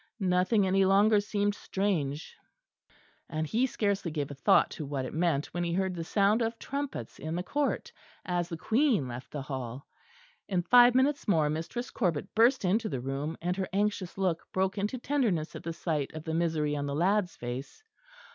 Nothing any longer seemed strange; and he scarcely gave a thought to what it meant when he heard the sound of trumpets in the court, as the Queen left the Hall. In five minutes more Mistress Corbet burst into the room; and her anxious look broke into tenderness at the sight of the misery in the lad's face.